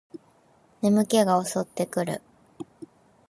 眠気が襲ってくる